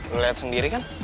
lo liat sendiri kan